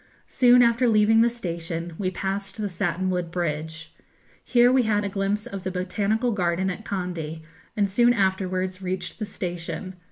Soon after leaving the station, we passed the Satinwood Bridge. Here we had a glimpse of the botanical garden at Kandy, and soon afterwards reached the station.